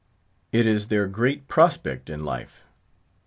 It is their great "prospect in life."